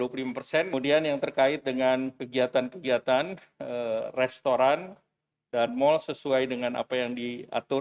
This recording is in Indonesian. kemudian yang terkait dengan kegiatan kegiatan restoran dan mal sesuai dengan apa yang diatur